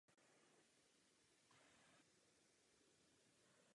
Nedílnou součástí návrhu pozemkových úprav je i plán společných zařízení.